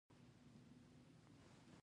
میوه او سبزیجات خورئ؟